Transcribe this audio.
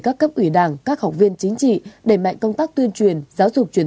các cấp ủy đảng các học viên chính trị